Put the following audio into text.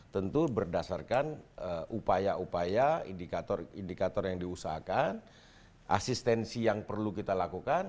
tentu berdasarkan upaya upaya indikator indikator yang diusahakan asistensi yang perlu kita lakukan